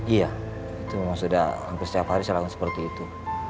iya itu memang sudah hampir setiap hari serangan seperti itu